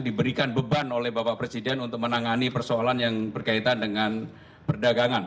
diberikan beban oleh bapak presiden untuk menangani persoalan yang berkaitan dengan perdagangan